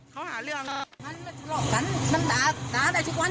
เขาหาเรื่องมันไม่ทะเลาะกันมันด่าด่าได้ทุกวัน